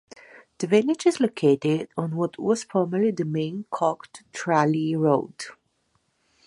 The village is located on what was formerly the main Cork-to-Tralee road.